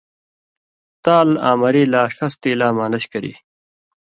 تال آں مری لا ݜس تیلاں مالش کری۔